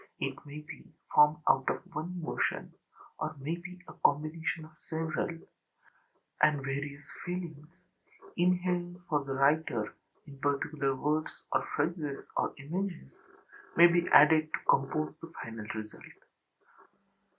It may be formed out of one emotion, or may be a combination of several; and various feelings, inhering for the writer in particular words or phrases or images, may be added to compose the final result.